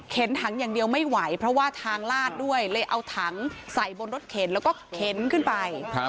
ถังอย่างเดียวไม่ไหวเพราะว่าทางลาดด้วยเลยเอาถังใส่บนรถเข็นแล้วก็เข็นขึ้นไป